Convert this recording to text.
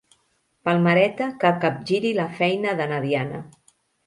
Palmereta que capgiri la feina de na Diana.